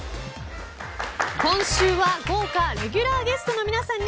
今週は豪華レギュラーゲストの皆さんに